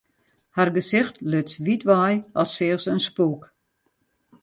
Har gesicht luts wyt wei, as seach se in spûk.